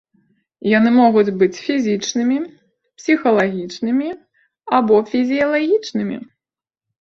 Яны могуць быць фізічнымі, псіхалагічнымі або фізіялагічнымі.